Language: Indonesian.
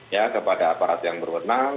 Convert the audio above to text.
ya kepada aparat yang berwenang